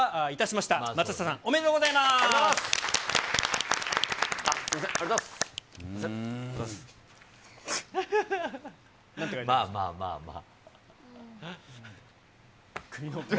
まあまあまあまあ。